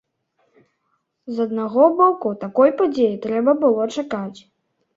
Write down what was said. З аднаго боку, такой падзеі трэба было чакаць.